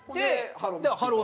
「ハロー！